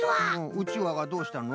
うちわがどうしたの？